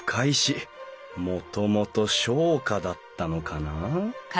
もともと商家だったのかな？